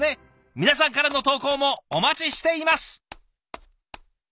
皆さんからの投稿もお待ちしています。